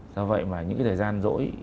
do vậy mà những thời gian rỗi